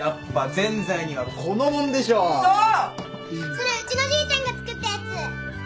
それうちのじいちゃんが作ったやつ。